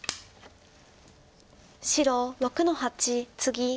白６の八ツギ。